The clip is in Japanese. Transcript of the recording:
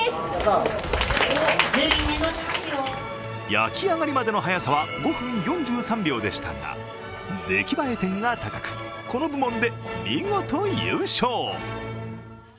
焼き上がりまでの速さは５分４３秒でしたが、出来栄え点が高く、この部門で見事優勝。